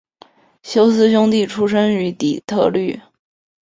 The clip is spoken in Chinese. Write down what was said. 休斯兄弟出生于底特律。